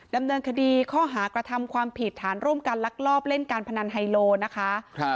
ดำเนินคดีข้อหากระทำความผิดฐานร่วมกันลักลอบเล่นการพนันไฮโลนะคะ